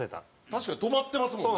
確かに止まってますもんね。